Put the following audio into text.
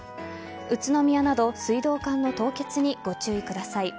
宇都宮など水道管の凍結にご注意ください。